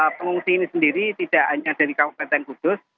pengungsi ini sendiri tidak hanya dari kabupaten kudus